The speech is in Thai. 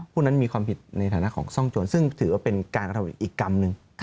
ผู้นั้นมีความผิดในฐานะของซ่องโจรซึ่งถือว่าเป็นการกระทำอีกกรรมหนึ่ง